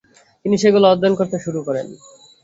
তিনি সেগুলো অধ্যয়ন করতে শুরু করেন।